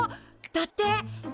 だって。